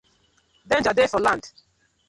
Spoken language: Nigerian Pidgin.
Danger dey for land.